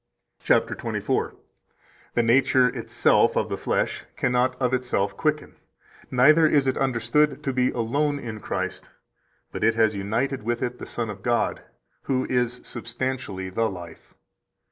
124 Cap. 24 (p. 210): "The nature itself of the flesh cannot of itself quicken, neither is it understood to be alone in Christ, but it has united with it the Son of God, who is substantially the Life.